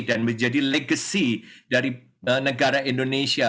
dan menjadi legacy dari negara indonesia